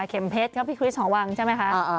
เข็มเพชรก็พี่คริสหอวังใช่ไหมคะ